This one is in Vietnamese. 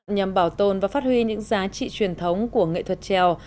nhằm bảo tồn và phát huy những giá trị truyền thống của nghệ thuật trèo